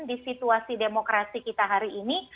di situasi demokrasi kita hari ini